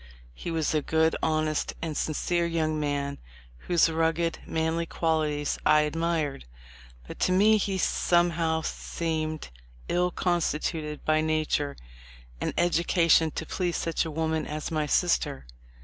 He was a good, honest, and sincere young man whose rugged, manly qualities I admired; but to me he somehow seemed ill constituted by nature and education to please such a woman as my sister.